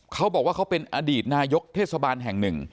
เขาบอกว่าเขาเป็นอดีตนายกเทศบาลแห่งหนึ่ง